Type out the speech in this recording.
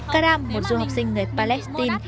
karam một du học sinh người palestine